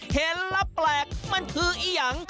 เห็นแล้วแปลกมันคืออียัง